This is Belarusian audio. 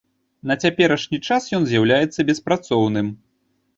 На цяперашні час ён з'яўляецца беспрацоўным.